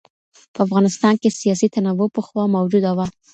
په افغانستان کې سیاسي تنوع پخوا موجوده وه.